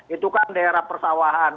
itu kan daerah persawahan